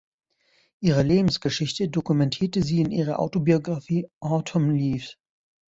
Ihre Lebensgeschichte dokumentierte sie in ihrer Autobiografie Autumn Leaves.